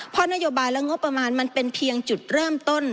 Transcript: เพราะนโยบายและงบประมาณมันเป็นเพียงจุดเริ่มต้น